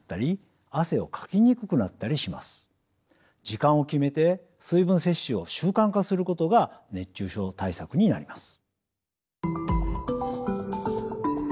時間を決めて水分摂取を習慣化することが熱中症対策になります。